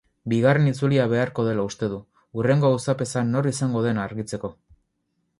Bigarren itzulia beharko dela uste du, hurrengo auzapeza nor izango den argitzeko.